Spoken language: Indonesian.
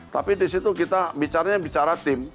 tapi disitu kita bicara bicara tim